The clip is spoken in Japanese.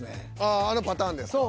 あああのパターンですか。